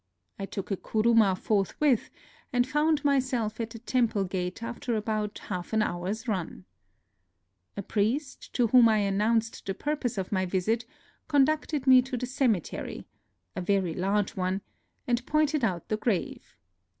I took a kuruma forthwith, and found myself at the temple gate after about half an hour's run. A priest, to whom I announced the purpose of my visit, conducted me to the cemetery, — a very large one, — and pointed out the grave.